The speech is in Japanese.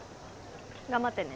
頑張ってね。